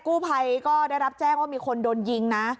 กู้ภัยก็ได้รับแจ้งว่ามีคนโดนยิงนะ